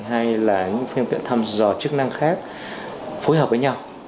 hay là những phương tiện thăm dò chức năng khác phối hợp với nhau